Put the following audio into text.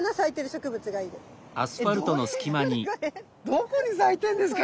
どこに咲いてんですか？